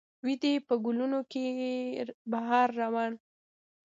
وي دې په ګلونو کې بهار روان